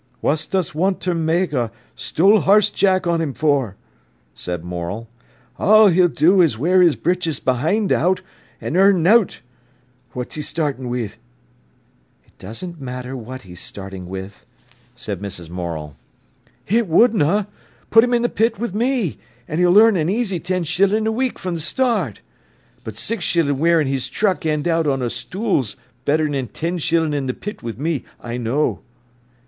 "What dost want ter ma'e a stool harsed Jack on 'im for?" said Morel. "All he'll do is to wear his britches behind out an' earn nowt. What's 'e startin' wi'?" "It doesn't matter what he's starting with," said Mrs. Morel. "It wouldna! Put 'im i' th' pit we me, an' 'ell earn a easy ten shillin' a wik from th' start. But six shillin' wearin' his truck end out on a stool's better than ten shillin' i' th' pit wi'me, I know."